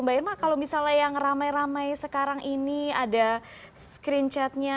mbak irma kalau misalnya yang ramai ramai sekarang ini ada screen chatnya